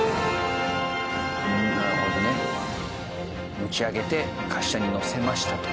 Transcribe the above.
持ち上げて滑車に載せましたと。